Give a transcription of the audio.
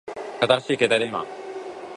新しい携帯電話